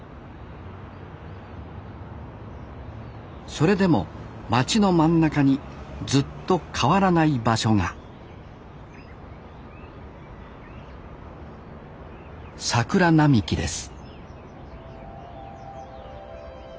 それでも町の真ん中にずっと変わらない場所が桜並木です